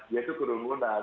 ya itu kerumunan hindari